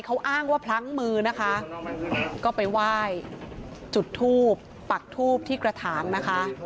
เขาอ้างว่าพลั้งมือนะคะก็ไปไหว้จุดทูปปักทูบที่กระถางนะคะ